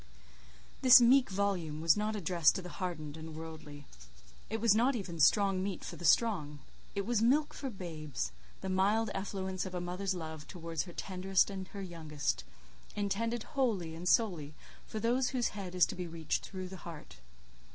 This meek volume was not addressed to the hardened and worldly; it was not even strong meat for the strong: it was milk for babes: the mild effluence of a mother's love towards her tenderest and her youngest; intended wholly and solely for those whose head is to be reached through the heart.